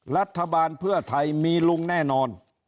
รัฐบาลเพื่อไทยมีลุงแน่นอน